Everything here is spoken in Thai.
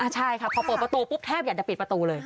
ใช่ค่ะพอเปิดประตูปุ๊บแทบอยากจะปิดประตูเลย